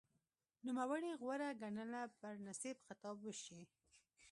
نوموړي غوره ګڼله پرنسېپ خطاب وشي